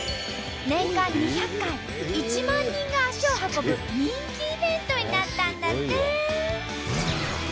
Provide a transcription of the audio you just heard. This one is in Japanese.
年間２００回１万人が足を運ぶ人気イベントになったんだって！